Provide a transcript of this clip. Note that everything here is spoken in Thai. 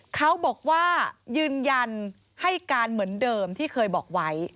เขาบอกว่ายืนยันให้การเหมือนเดิมที่เคยบอกไว้